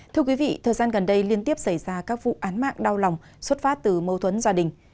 thưa quý vị thời gian gần đây liên tiếp xảy ra các vụ án mạng đau lòng xuất phát từ mâu thuẫn gia đình